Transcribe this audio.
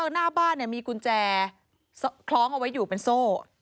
หน้าบ้านมีกุญแจคล้องเอาไว้อยู่เป็นโซ่